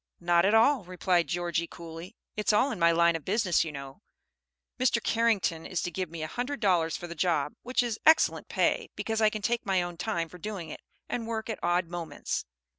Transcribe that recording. "Not at all," replied Georgie, coolly. "It's all in my line of business, you know. Mr. Carrington is to give me a hundred dollars for the job; which is excellent pay, because I can take my own time for doing it, and work at odd moments."